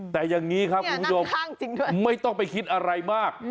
แต่อย่างนี้ครับไม่ต้องไปคิดอะไรมาก